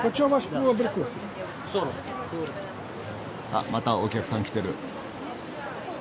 あっまたお客さん来てる。